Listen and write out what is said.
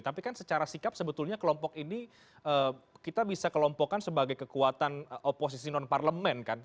tapi kan secara sikap sebetulnya kelompok ini kita bisa kelompokkan sebagai kekuatan oposisi non parlemen kan